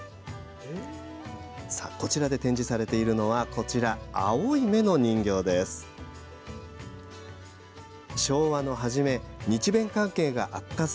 こちらで展示されているのは青い目の人形です。